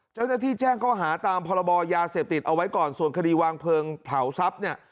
เจ้าหน้าที่แจ้งข้อหาตามพรบยาเสพติดเอาไว้ก่อนส่วนคดีวางเพลิงเผาทรัพย์เนี่ย